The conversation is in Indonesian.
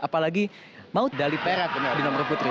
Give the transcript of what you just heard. apalagi mau dali perak di nomor putri